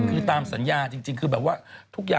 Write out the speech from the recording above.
คือตามสัญญาจริงคือแบบว่า